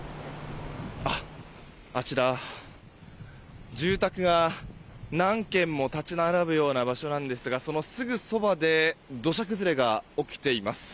あちら、住宅が何軒も立ち並ぶような場所なんですがそのすぐそばで土砂崩れが起きています。